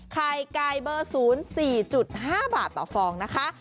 ไข่ไก่เบอร์๐๔๕บาทต่อฟองนะคะ